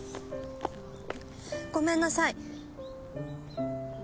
ごめんなさい。